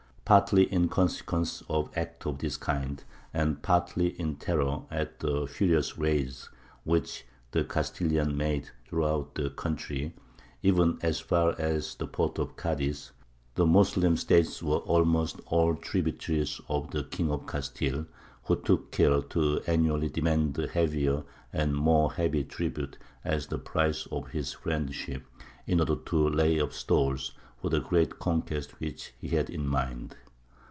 Partly in consequence of acts of this kind, and partly in terror at the furious raids which the Castilians made throughout the country, even as far as the port of Cadiz, the Moslem States were almost all tributaries of the King of Castile, who took care to annually demand heavier and more heavy tribute, as the price of his friendship, in order to lay up stores for the great conquest which he had in mind.